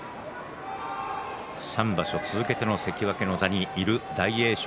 ３場所続けての関脇の座にいる大栄翔